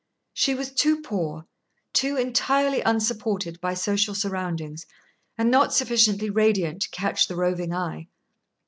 She was too poor, too entirely unsupported by social surroundings, and not sufficiently radiant to catch the roving eye.